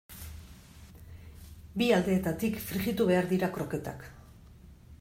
Bi aldeetatik frijitu behar dira kroketak.